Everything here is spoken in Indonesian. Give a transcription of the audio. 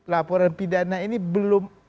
laporan pidana ini belum